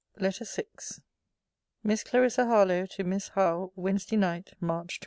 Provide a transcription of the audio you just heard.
LETTER VI MISS CLARISSA HARLOWE, TO MISS HOWE WEDN. NIGHT, MARCH 22.